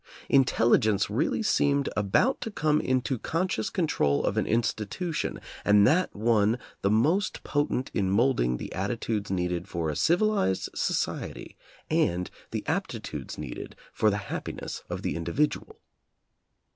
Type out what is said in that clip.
Intelligence really seemed about to come into conscious control of an institu tion, and that one the most potent in molding the attitudes needed for a civilized society and the ap titudes needed for the happiness of the individual.